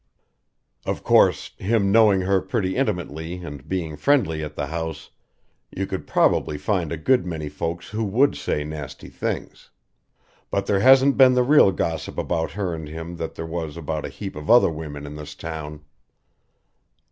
Of course, him knowing her pretty intimately and being friendly at the house, you could probably find a good many folks who would say nasty things. But there hasn't been the real gossip about her and him that there was about a heap of other women in this town.